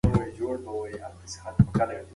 په سمه لاره تګ عادتونه اسانه کوي.